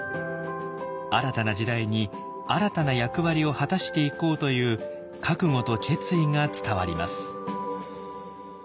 新たな時代に新たな役割を果たしていこうという覚悟と決意が伝わります。